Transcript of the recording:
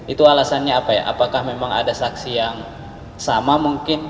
itu alasannya apa ya apakah memang ada saksi yang sama mungkin